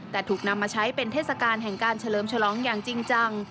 แต่ถูกนำมาใช้เป็นเทศกาลแห่งการเฉลิมฉลองอย่างจริงจัง